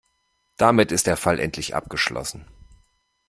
Damit ist der Fall endlich abgeschlossen.